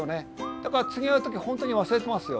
だから次会う時本当に忘れてますよ。